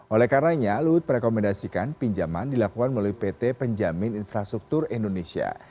oleh karenanya luhut merekomendasikan pinjaman dilakukan melalui pt penjamin infrastruktur indonesia